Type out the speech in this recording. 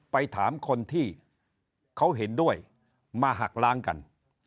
ไปถามคนที่เขาเห็นด้วยมาหักล้างกัน